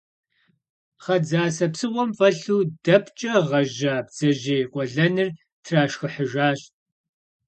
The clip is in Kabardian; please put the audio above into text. Пхъэ дзасэ псыгъуэм фӀэлъу дэпкӀэ гъэжьа бдзэжьей къуэлэныр трашхыхьыжащ.